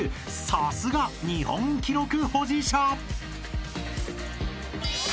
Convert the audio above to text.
さすが日本記録保持者！］